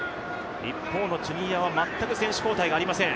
一方のチュニジアは全く選手交代がありません。